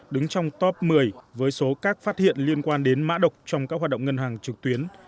đứng trong top một mươi với số các phát hiện liên quan đến mã độc trong các hoạt động ngân hàng trực tuyến